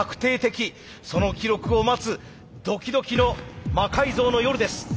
その記録を待つドキドキの「魔改造の夜」です。